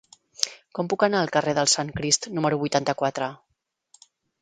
Com puc anar al carrer del Sant Crist número vuitanta-quatre?